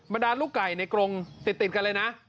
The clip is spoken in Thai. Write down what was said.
ดาลูกไก่ในกรงติดกันเลยนะ